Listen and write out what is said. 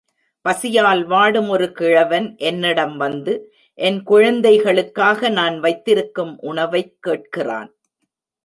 பசியால் வாடும் ஒரு கிழவன் என்னிடம் வந்து, என் குழந்தைகளுக்காக நான் வைத்திருக்கும் உணவைக் கேட்கிறான்.